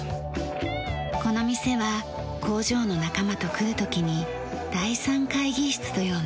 この店は工場の仲間と来る時に「第３会議室」と呼んでいます。